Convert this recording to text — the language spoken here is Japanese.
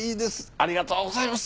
ありがとうございます！